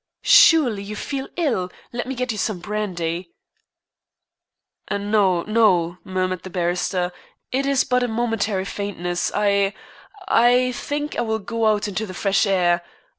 "Surely, you feel ill? Let me get you some brandy." "No no," murmured the barrister. "It is but a momentary faintness. I I think I will go out into the fresh air.